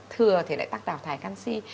thừa thì lại tăng đào thải canxi